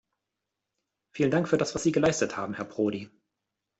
Vielen Dank, für das, was Sie geleistet haben, Herr Prodi.